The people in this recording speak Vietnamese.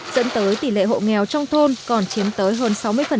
dẫn tới tỷ lệ hộ nghèo trong thôn còn chiếm tới hơn sáu mươi